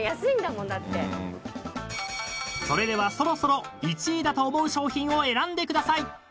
［それではそろそろ１位だと思う商品を選んでください］